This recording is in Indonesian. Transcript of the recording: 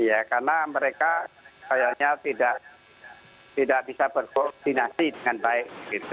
ya karena mereka kayaknya tidak bisa berkoordinasi dengan baik